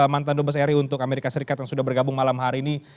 mantan dubes ri untuk amerika serikat yang sudah bergabung malam hari ini